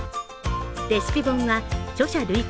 レシピ本は著者累計